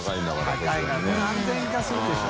發い何千円かするでしょ。